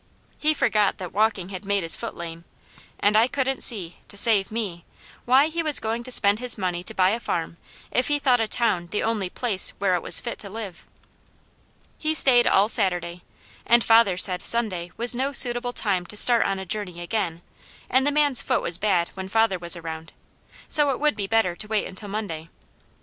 He forgot that walking had made his foot lame, and I couldn't see, to save me, why he was going to spend his money to buy a farm, if he thought a town the only place where it was fit to live. He stayed all Saturday, and father said Sunday was no suitable time to start on a journey again, and the man's foot was bad when father was around, so it would be better to wait until Monday.